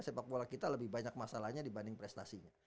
sepak bola kita lebih banyak masalahnya dibanding prestasinya